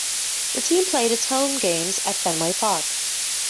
The team played its home games at Fenway Park.